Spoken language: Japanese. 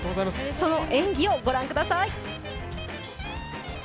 その演技をご覧ください。